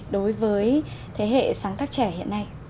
đối với thế hệ sáng tác trẻ hiện nay